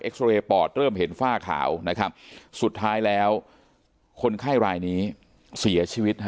เรย์ปอดเริ่มเห็นฝ้าขาวนะครับสุดท้ายแล้วคนไข้รายนี้เสียชีวิตฮะ